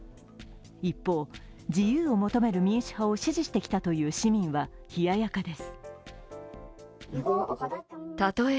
一方、自由を求める民主派を支持してきたという市民は冷ややかです。